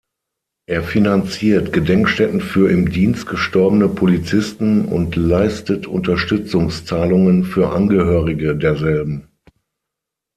Er finanziert Gedenkstätten für im Dienst gestorbene Polizisten und leistet Unterstützungszahlungen für Angehörige derselben.